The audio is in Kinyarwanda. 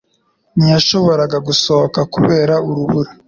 Ntiyashoboraga gusohoka kubera urubura